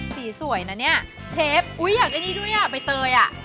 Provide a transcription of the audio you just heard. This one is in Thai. สวยนะเนี่ยเชฟอุ้ยอยากได้นี่ด้วยอ่ะใบเตยอ่ะ